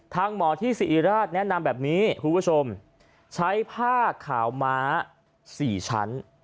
หมอที่สิริราชแนะนำแบบนี้คุณผู้ชมใช้ผ้าขาวม้า๔ชั้น